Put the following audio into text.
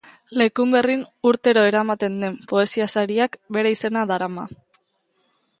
Lekunberrin urtero ematen den poesia sariak bere izena darama.